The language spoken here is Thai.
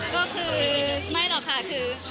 ก็คือไม่หรอกค่ะคือ